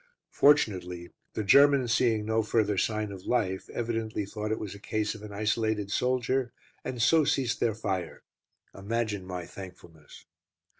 Fortunately, the Germans seeing no further sign of life, evidently thought it was a case of an isolated soldier, and so ceased their fire. Imagine my thankfulness.